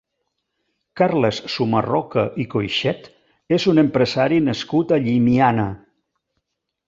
Carles Sumarroca i Coixet és un empresari nascut a Llimiana.